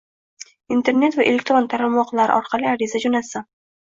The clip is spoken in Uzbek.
Internet va elektron tarmoqlar orqali ariza jo‘natsam